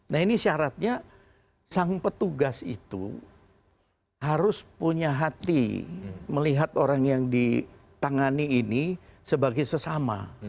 nah ini syaratnya sang petugas itu harus punya hati melihat orang yang ditangani ini sebagai sesama